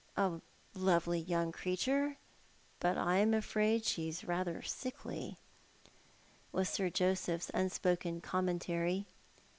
" A lovely yoiuig creature, but I'm afraid she's rather sickly," was Sir Joseph's unspoken commentary.